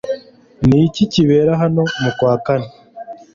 Ni iki kibera hano mu kwa kane?